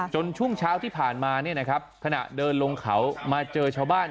ช่วงเช้าที่ผ่านมาเนี่ยนะครับขณะเดินลงเขามาเจอชาวบ้าน